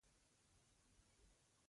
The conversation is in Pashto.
دا چای په رښتیا هم ستوماني له وجوده وباسي.